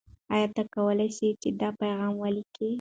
آیا ته کولای سې چې دا پیغام ولیکې؟